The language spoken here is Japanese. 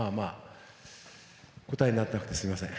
答えになってなくてすみません。